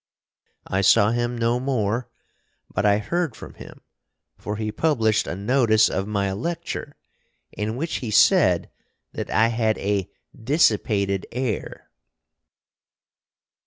I saw him no more, but I heard from him. For he published a notice of my lecture, in which he said that I had _a dissipated air!